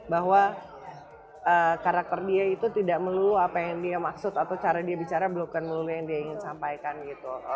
bahwa karakter dia itu tidak melulu apa yang dia maksud atau cara dia bicara bloken melulu yang dia ingin sampaikan gitu